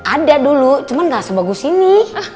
ada dulu cuman ga sebagus ini